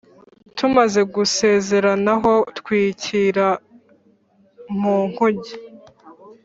Tumaze gusezeranaho twikira mu nkuge